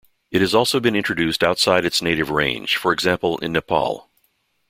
It has also been introduced outside its native range, for example in Nepal.